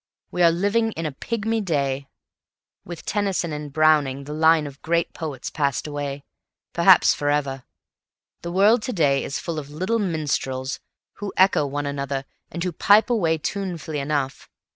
We are living in a pygmy day. With Tennyson and Browning the line of great poets passed away, perhaps for ever. The world to day is full of little minstrels, who echo one another and who pipe away tunefully enough.